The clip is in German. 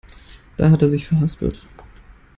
Da hat er sich verhaspelt.